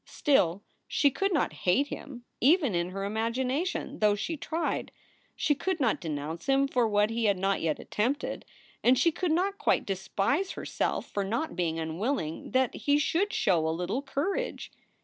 Still, she could not hate him even in her imagination, though she tried. She could not denounce him for what he had not yet attempted, and she could not quite despise herself for not being unwilling that he should show a little courage.